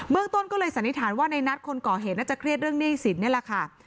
เมืองต้นก็เลยสันนิษฐานว่าในนัดคนก่อเหตุน่าจะเครียดเรื่องหนี้สินนี่แหละค่ะ